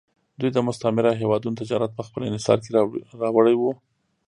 دوی د مستعمره هېوادونو تجارت په خپل انحصار کې راوړی و